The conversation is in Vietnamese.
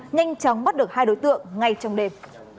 nhanh chóng bắt được hai đối tượng ngay trong đêm